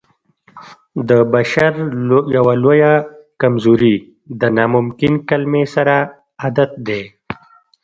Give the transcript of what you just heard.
د بشر يوه لويه کمزوري د ناممکن کلمې سره عادت دی.